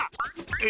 え？